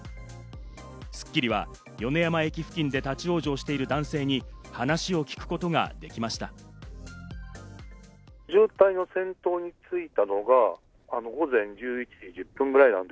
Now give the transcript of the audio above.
『スッキリ』は米山駅付近で立ち往生している男性に話を聞くことができました。